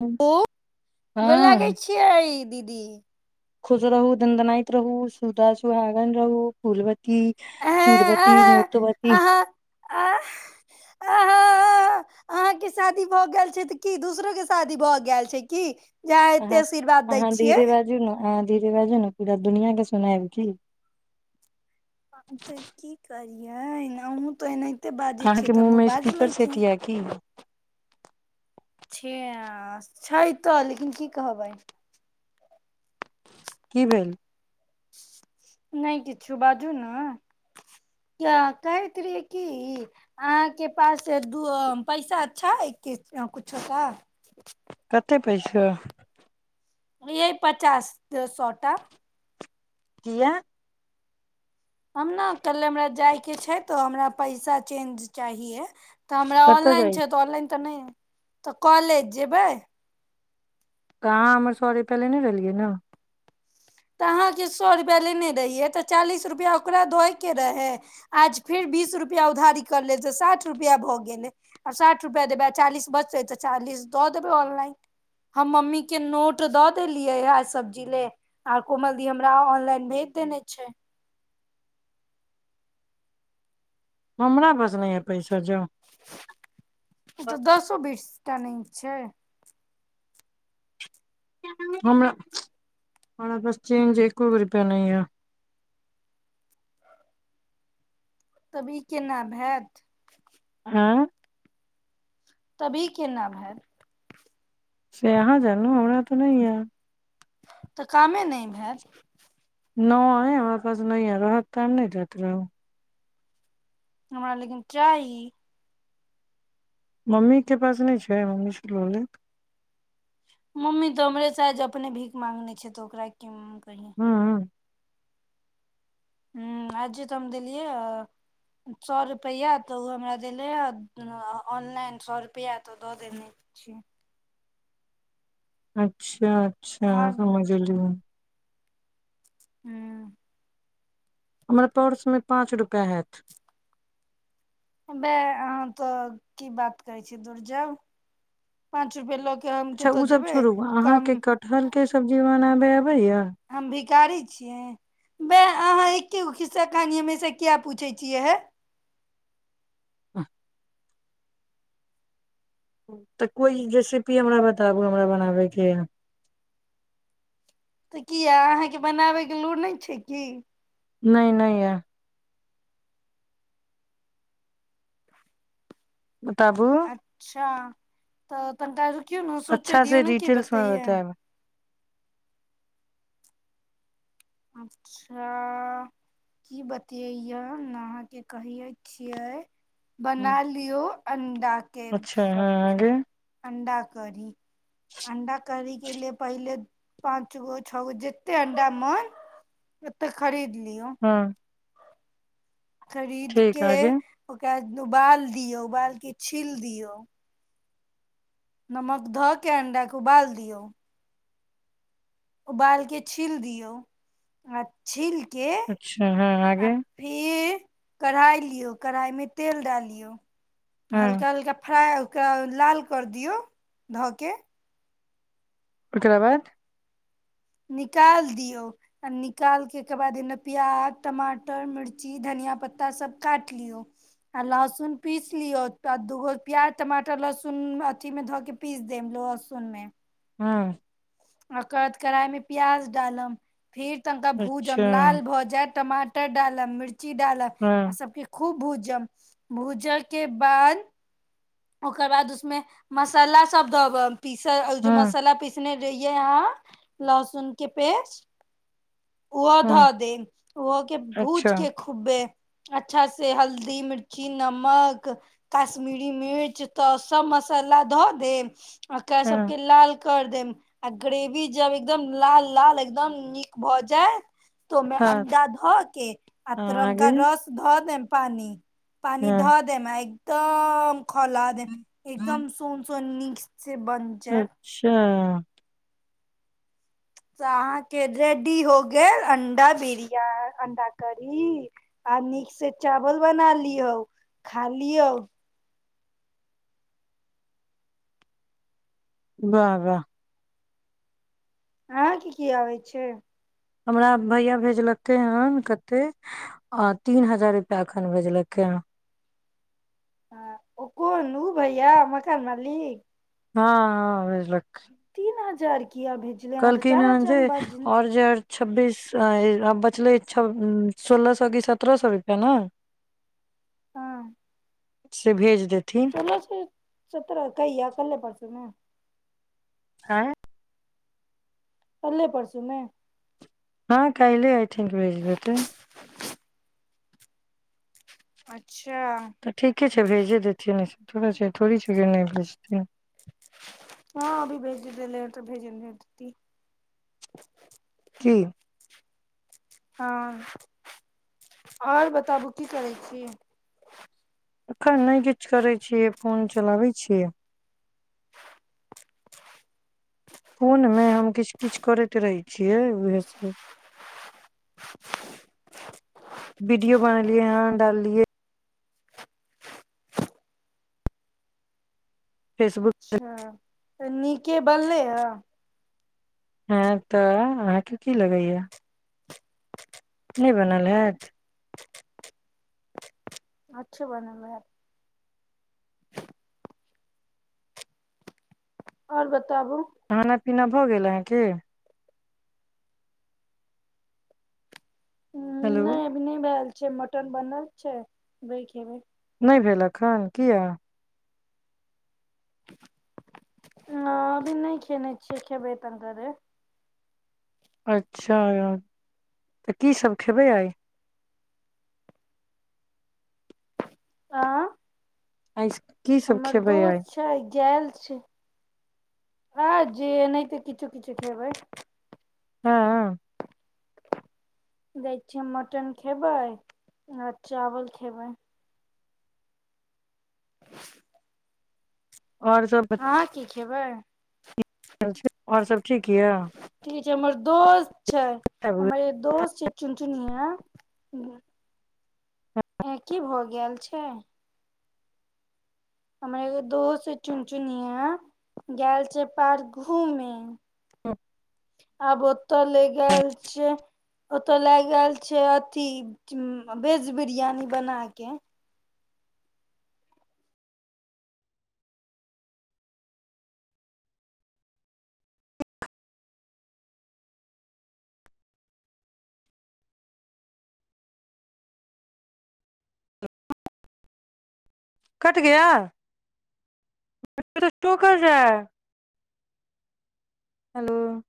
हँ ओ गोर लागै छियै दीदी खुश रहू दनदनायत रहू सुधा सुुहागन रहू फूल ब ती चूड़बती अहाँ मूतबती अहाँ अहाँ अहाँ अहाँके शादी भऽ गेल छै तऽ की दूसरो के शादी भऽ गेल छै की जे एते अहाँ आशीर्वाद दै अहाँ छियै धीरे बाजू ने अहाँ धीरे बाजू ने पूरा दुनिया के सुनायब की ह तऽ की करियैन आहूँ तऽ ओनाहिते खान के मुँह मे स्पीकर सेटयै की छै छै तऽ लेकिन की कहबइ की भेल नहि किछु बाजू ने कहैत रहियै कि अहाँके पास दू पैसा छै कि कुछो त कते पैसा यहि पचास सौ टा कियै हम ने कल्हे हमरा जाय के छै तऽ हमरा पैसा चेंज चाहिये तऽ हमरा कतऽ ऑनलाइन जाइ छै तऽ ऑनलाइन तऽ नहि तऽ कॉलेज जेबै अहाँ हमर सौ रूपया लेने रहलियै ने तऽ अहाँके सए रुपैआ लेने रहियै तऽ चालीस रुपैआ ओकरा धयके रहै आज फेर बीस रुपैआ उधारी करि लेल तऽ साठि रुपैआ भऽ गेलै आ साठि रुपैआ देबै आ चालीस बचतै तऽ चालीस दऽ देबै ऑनलाइन हम मम्मीके नोट दऽ देलियै है सब्जी ले आओर कोमलदी हमरा ऑनलाइन भेज देने छै हमरा बस नहि यै पैसा जो तऽ दसो बीस टा नहि छै हमरा हमरा पास चेंज एको गो रुपैआ नहि यै तब ई केना भैत हँ तभी केना भैत से अहाँ जानु हमरा तऽ नहि यै तऽ कामे नहि भैत नहि हमरा पास नहि यै रहत तऽ नहि दैत रहौ हमरा लेकिन चाहि मम्मी के पास नहि छै मम्मी से लऽ लेब मम्मी तो हमरेसे आज अपने भीख माँगने छै तऽ ओकरा कि बढ़िआ हँ ह आ जे तऽ हम देलियै सए रुपैआ तऽ ओ हमरा देलै ह ऑनलाइन सए रुपैआ तऽ दऽ देने छी अच्छा अच्छा आओर समझली हँ हमरा पर्समे पाँच रुपैया हैत वे अहाँ तो की बात करै छी तऽ धुर जाउ पांच रुपया लऽ के हम अच्छा कतऽ ओसभ जेबै छोड़ू कम अहाँके कटहल के सब्जी बनाबे ब य छिय अहाँ एक खिस्सा कहानी हमेशा किया पूछै छियै हे ह तऽ कोइ रेसिपी हमरा बताबू हमरा बनाबयके तऽ किया अहाँके बनाबयके लूड़ नहि छै की नहि नहि य बताबू अच्छा तऽ अपनटा क्य नहि सोचे अच्छा दियौ से ने की डिटेल्स मे बतायै बतायब अच्छा की बतैये अहाँके कहिे छियै हूँ, बनाालिो अन्द के अच्छा हँ सब आगे अणडा करी अंडा करै के लिए पहिले पाँच गो छओ गो जते अंडा मन ओ तऽ खरीी दलिो हँ खरीद ठीक के आगे ओ बाल दियऔ बाल के छील दियऔ नमक धऽ के अंडाे उबाल दियौ उबाल के छील दियौ आ छील के अच्छा हँ आ आगे फेर कढ़ाइ लियौ कढ़ाइमे तेल डालियौ हँ हल्का हल्का फ्रा ओकरा लाल कर दियौ धऽके ओकराबाद निकाल दियऔ आ निकाल के के बाद एमे प्याज टमाटर मिर्ची धनिया पत्ता सब काट लियो आ लहसुन पीस लियोाद दूगो प्याज टमाटर लहसुन अथी मे धऽ के पीस देब लहसुन मे हँ अकद कढ़ाई मे प्याज डालम फेर तनिका भूज हम अच्छा लाल भऽ जायइत टमाटर डालल मिर्चा ी डाल हँ आ सबके खू भूजम भूजा के बाद ओकर बाद उसमे मसाला सब धोब पीस जो हँ मसाला पीसने रहिय यहा लहसुन के पेस् उह हँ धा दे ओहो के अच्छा भूज के खुबे अच्छा से हल्दी मिर्ची नमक कश्मीरी मिर्च तऽ सब मसाला धऽ देब आक हँ सबके लाल कर देम आ ग्रेवी जब एकदम लाल लाल एकदम नीक भऽ जायत तो में हँ अंडा धो के आ तरंग आगे का रस धो देम पानि पानी हँ धऽ देमे एक ताम खोला द एकदम सुन सन्नी अच्छा ह तऽ अहाँके रेडी हो गेल अंडा बिरिया अंडा करी आ नीक से चावल बना लियौ खा लिौ वाह वाह अहाँ क की आबै छै हमरा भैया भेजलकै हन कतेक आ तीन हजार रुपैआ एखन भेजलकै हँ ह ओ कोन ओ भैया मकान मालिक हँ हँ जार किया भेजलै अहाँ तऽ कहलखिन चारा हन जे चान बाजल और जे आर छब्बीस आ बचलै छ सोलह सए कि सत्रह सए रुपैआ ने हँ से भेज देत सोलह सए सत्ररह कैआ के पसेमे आँ कले पड़सू ने हँ कालल आइ थिंक भेज देतै अच्छा तऽ ठीके छै भेजे देैतियै ने थोड़ छै थोड़ी छै कि नहि भचत हँ अभी भेज ले तऽ भेज की हँ आओर बताबू की करै छी एखन नहि किछु करै छियै फोन चलाबैत छियै फोनमे हम किछु किछु करैत रहै छियै उएहसभ [unintelligible] वीडियो बनेलियै हह डाललियै फेसबुक अच्छा त नीक क बललय हँ तऽ अहाँके की लगैया नहि बनल हैत अच्छे बनलै य आओर ब क ताबू खाना पीना भऽ गेल है की हेलो नहि अभी नहि भेल छै छै मटन बनल छै भै खेबै नहि भेल एखन किया ह अभी नहि खेने छियै खेबै तन करे अच्छा तऽ कीसभ खेबै आइ आ आ की सब हमर खेबै आइ दोस्त छै गेल छै आ जेना ते किछु किछु खेबै हँ दै छियै मटन खेबै आ चावल खेबै अहाँ की खेबै आओर सब ठीक य च हमर दोस छै हमर दोस्त च चन सुनिया ह की भऽ गेल छै हमर एगो दोस्त छै चुन चुन गेल छै पार्क घूमे हँ आबहुत चल गेल छै ओतय लए गेल छै अथी भेज बिरियानी बना कऽ कट ग स्ट जा हेलो